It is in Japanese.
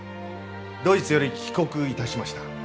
ドイツより帰国いたしました。